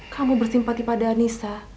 kamu bersimpati pada anissa